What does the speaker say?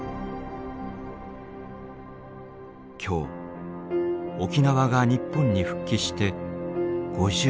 今日沖縄が日本に復帰して５０年になります。